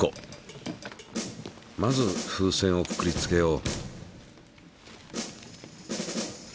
まず風船をくくりつけよう。